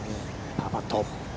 パーパット。